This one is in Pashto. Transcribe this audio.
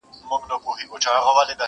خدای انډیوال که جانان څۀ ته وایي,